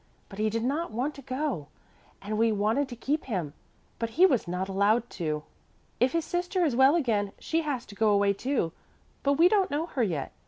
But he did not want to go and we wanted to keep him. But he was not allowed to. If his sister is well again, she has to go away, too. But we don't know her yet.